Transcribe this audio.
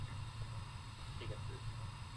这座小丘属大地主冈田家所有而得名。